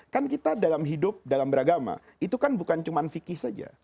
kan kita dalam hidup dalam beragama itu kan bukan cuma fikih saja